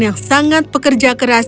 yang sangat pekerja keras